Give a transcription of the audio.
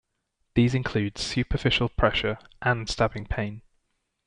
These include superficial pressure and stabbing pain.